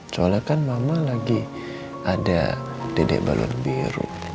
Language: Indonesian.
soalnya kan mama lagi ada dedek balon biru